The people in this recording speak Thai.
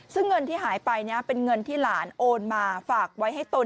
ซึ่งเงินที่หายไปเป็นเงินที่หลานโอนมาฝากไว้ให้ตน